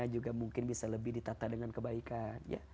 juga mungkin bisa lebih ditata dengan kebaikan